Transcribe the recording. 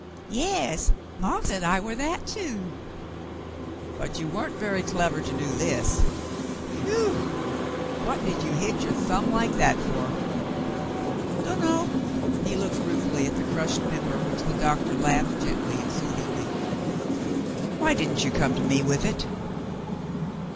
"Yas, maw said I war that, too." "But you weren't very clever to do this. Whew ! What did you hit your thumb like that for.^" "Dunno." He looked ruefully at the crushed member which the doctor laved gently and soothingly. "Why didn't you come to me with it.